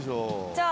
じゃあ。